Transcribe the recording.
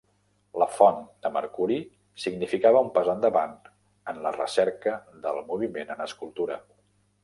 La Font de mercuri significava un pas endavant en la recerca del moviment en escultura.